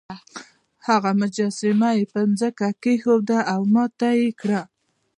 هغه مجسمه په ځمکه کیښوده او ماته یې کړه.